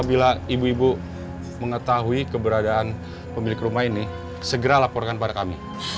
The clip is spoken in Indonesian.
bila ibu ibu mengetahui keberadaan pemilik rumah ini segera laporkan pada kami